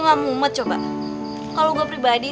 ngamumet coba kalau gua pribadi